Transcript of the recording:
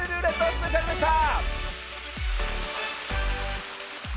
スペシャルでした。